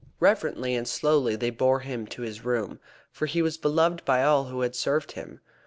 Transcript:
Reverently and slowly they bore him to his room, for he was beloved by all who had served him.